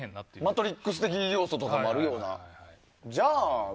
「マトリックス」的要素もあるような。